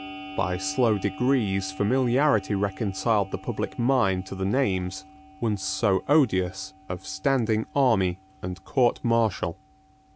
By slow degrees familiarity reconciled the public mind to the names, once so odious, of standing army and court martial.